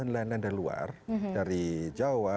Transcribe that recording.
lelah lelah dari luar dari jawa